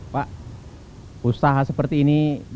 pak usaha seperti ini dan berapa